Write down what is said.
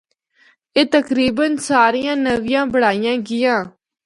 اے تقریبا ساریاں نوّیاں بنڑائیاں گیاں۔